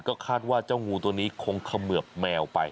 ก็คาดว่าจะต้องมีตัวนี้คงขเมือกแมวไป